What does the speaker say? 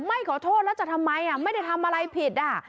ไม่ขอโทษแล้วจะทำไมไม่ได้ทำอะไรผิดอ่ะ